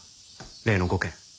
例の５軒。